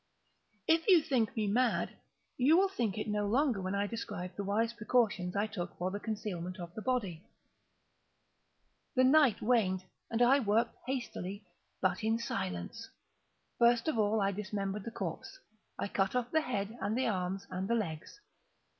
If still you think me mad, you will think so no longer when I describe the wise precautions I took for the concealment of the body. The night waned, and I worked hastily, but in silence. First of all I dismembered the corpse. I cut off the head and the arms and the legs.